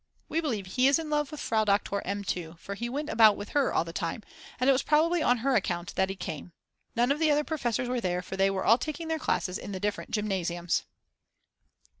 We believe he is in love with Frau Doktor M. too, for he went about with her all the time, and it was probably on her account that he came. None of the other professors were there, for they were all taking their classes in the different Gymnasiums.